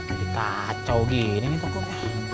aduh kacau gini nih pokoknya